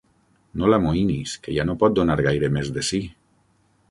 No l'amoïnis, que ja no pot donar gaire més de si.